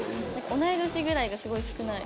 同い年ぐらいがすごい少ない。